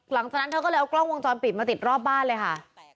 หลังจากนั้นเธอก็เลยเอากล้องวงจรปิดมาติดรอบบ้านเลยค่ะ